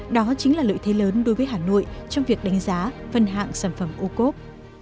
đó chính là lợi thế lớn đối với hà nội trong việc đánh giá phân hạng sản phẩm ocob